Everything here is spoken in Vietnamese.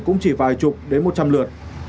cũng chỉ vài chục đến một trăm linh lượt